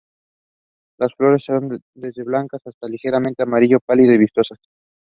The Drama category has no works eligible for this award.